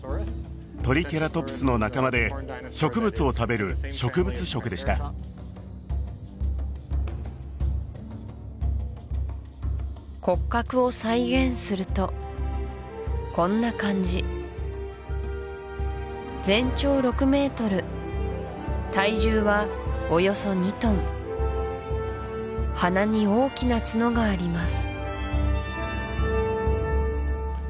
トリケラトプスの仲間で植物を食べる植物食でした骨格を再現するとこんな感じ全長６メートル体重はおよそ２トン鼻に大きな角があります